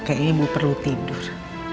kayaknya ibu perlu tidur